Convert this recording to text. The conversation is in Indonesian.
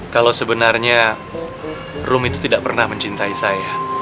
kalau sebenarnya room itu tidak pernah mencintai saya